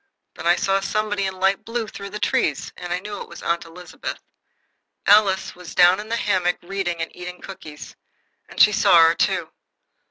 Then I saw somebody in light blue through the trees, and I knew it was Aunt Elizabeth. Alice was down in the hammock reading and eating cookies, and she saw her, too.